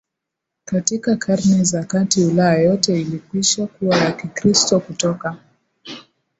Katika Karne za Kati Ulaya yote ilikwisha kuwa ya Kikristo Kutoka